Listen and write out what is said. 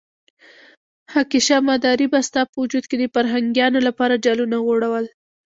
خاکيشاه مداري به ستا په وجود کې د فرهنګيانو لپاره جالونه غوړول.